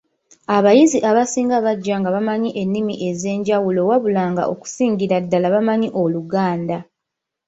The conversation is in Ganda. Abayizi abasinga bajja nga bamanyi ennimi ez’enjawulo wabula nga okusingira ddala bamanyi Oluganda.